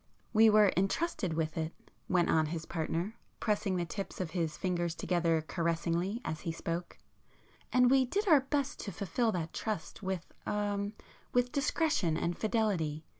"We were entrusted with it;"—went on his partner, pressing the tips of his fingers together caressingly as he spoke—"and we did our best to fulfil that trust—with—er—with discretion and fidelity.